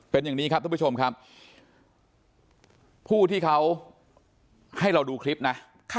เป็นอย่างนี้ครับทุกผู้ชมครับผู้ที่เขาให้เราดูคลิปนะ